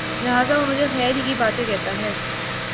لہٰذا وہ مجھے خیر ہی کی باتیں کہتا ہے